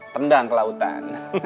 tendang ke lautan